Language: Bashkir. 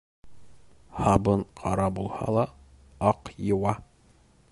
Һабын ҡара булһа ла, аҡ йыуа.